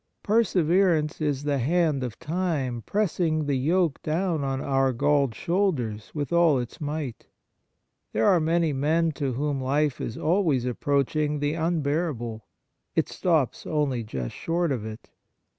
Perseverance is the hand of time pressing the yoke down on our galled shoulders with all its might. There are many men to whom life is always approaching the unbearable. It stops only just short of it.